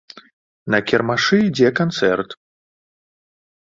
На кірмашы ідзе канцэрт.